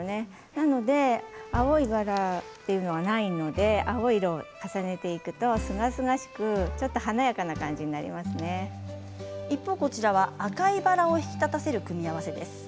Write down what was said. なので青いバラというのはないので青い色を重ねていくとすがすがしく一方、赤いバラを引き立たせる組み合わせです。